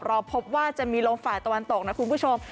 เราพบว่าจะมีลมฝ่ายตะวันตกนะคุณผู้ชม